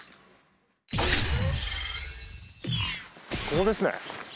ここですね。